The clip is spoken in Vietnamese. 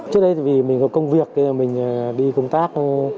trước đây thì vì mình có công việc mình đi công tác